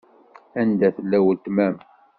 Anda tella weltma-m?